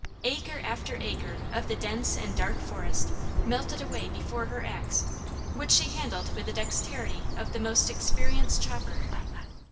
Acre after acre of the dense and dark forest melted away before her axe, which she handled with the dexterity of the most experienced chopper.